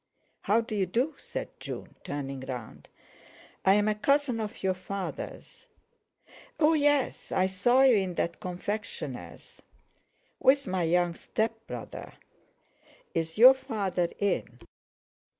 "How do you do?" said June, turning round. "I'm a cousin of your father's." "Oh, yes; I saw you in that confectioner's." "With my young stepbrother. Is your father in?"